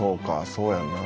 そうやんな」